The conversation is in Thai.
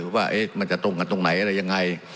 ว่ามันจะตรงกันตรงไหนอะไรยังไง